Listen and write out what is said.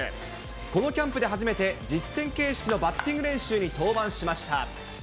このキャンプで初めて、実戦形式のバッティング練習に登板しました。